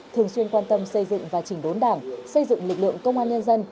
thường xuyên quan tâm xây dựng và chỉnh đốn đảng xây dựng lực lượng công an nhân dân